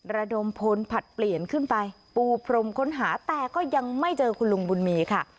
ระดมพลผลผลัดเปลี่ยนขึ้นไปปูพรมค้นหาแต่ก็ยังไม่เจอคุณลุงบุญมีค่ะ